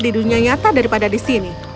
di dunia nyata daripada di sini